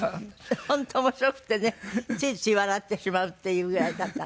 本当面白くてねついつい笑ってしまうっていうあれだったんです。